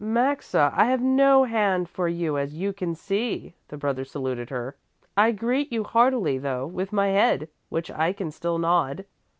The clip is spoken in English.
"Maxa, I have no hand for you as you can see," the brother saluted her. "I greet you heartily, though, with my head, which I can still nod."